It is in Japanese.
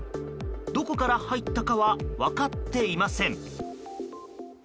どこから入ったかは分かっていません。